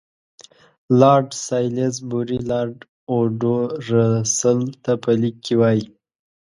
لارډ سالیزبوري لارډ اوډو رسل ته په لیک کې وایي.